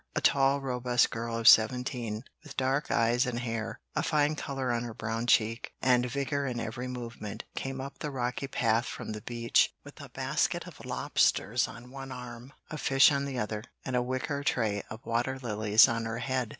A tall, robust girl of seventeen, with dark eyes and hair, a fine color on her brown cheek, and vigor in every movement, came up the rocky path from the beach with a basket of lobsters on one arm, of fish on the other, and a wicker tray of water lilies on her head.